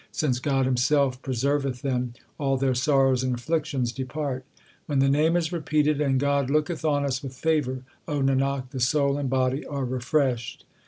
Since God Himself preserveth them, All their sorrows and afflictions depart. When the Name is repeated^ And God looketh on us with favour, O Nanak, the soul and body are refreshed.